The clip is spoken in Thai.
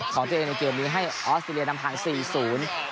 ของเจ้าเองในเกมนี้ให้ออสเตรียนำผ่าน๔๐